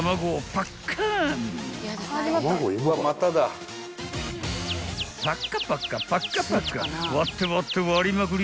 ［パッカパッカパッカパッカ割って割って割りまくり］